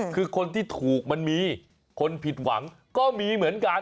คือคนที่ถูกมันมีคนผิดหวังก็มีเหมือนกัน